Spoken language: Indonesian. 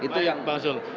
banyak bang sul